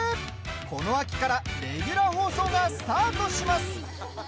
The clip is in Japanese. この秋からレギュラー放送がスタートします。